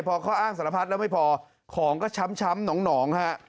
พอเขาอ้างสารพัดแล้วไม่พอของก็ช้ำหนองฮะ